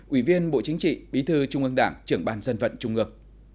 ủy viên bộ chính trị bí thư trung ương đảng trưởng bàn dân vận trung ước